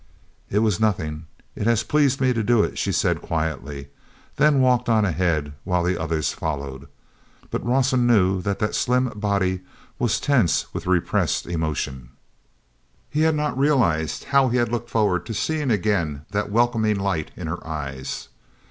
"It was nothing; it has pleased me to do it," she said quietly, then walked on ahead while the others followed. But Rawson knew that that slim body was tense with repressed emotion. He had not realized how he had looked forward to seeing again that welcoming light in her eyes.